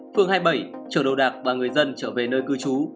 phường hai mươi bảy chợ đầu đạc và người dân trở về nơi cư trú